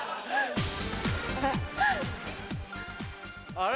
あれ？